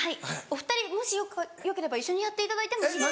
お２人もしよければ一緒にやっていただいてもいいですか？